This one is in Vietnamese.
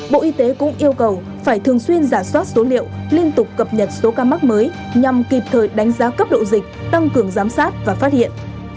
bộ y tế cũng yêu cầu phải thường xuyên giả soát số liệu liên tục cập nhật số ca mắc mới nhằm kịp thời đánh giá cấp độ dịch tăng cường giám sát và phát hiện